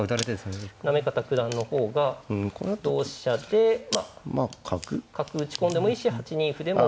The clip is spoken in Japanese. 行方九段の方が同飛車でまあ角打ち込んでもいいし８二歩でも。